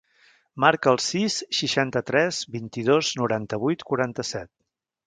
Marca el sis, seixanta-tres, vint-i-dos, noranta-vuit, quaranta-set.